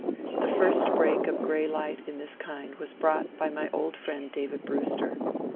The first break of gray light in this kind was brought by my old friend David Brewster.